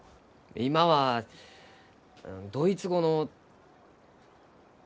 今はドイツ語の。